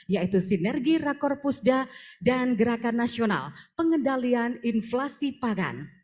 yaitu sinergi rakor pusda dan gerakan nasional pengendalian inflasi pangan